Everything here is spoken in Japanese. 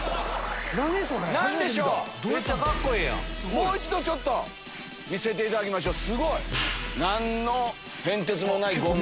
もう一度見せていただきましょう。